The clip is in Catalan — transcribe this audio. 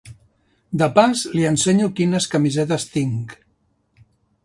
De pas li ensenyo quines camises tinc.